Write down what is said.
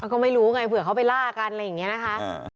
ก็ไม่รู้ไงเผื่อเขาไปล่ากันอะไรอย่างนี้นะคะ